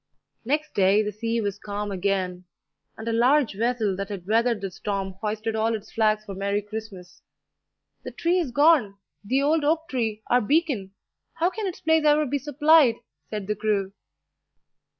Next day the sea was calm again, and a large vessel that had weathered the storm hoisted all its flags for Merry Christmas. "The tree is gone the old oak tree, our beacon! How can its place ever be supplied?" said the crew.